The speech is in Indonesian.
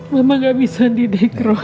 mama gak bisa didek roy